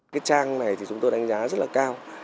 cái trang này thì chúng tôi đánh giá rất là cao